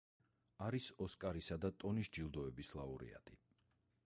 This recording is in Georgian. არის ოსკარისა და ტონის ჯილდოების ლაურეატი.